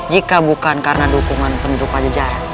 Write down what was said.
jika bukan karena dukungan penduduk pajajaran